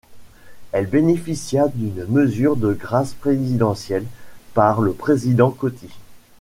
Il bénéficia d'une mesure de grâce présidentielle par le président Coty.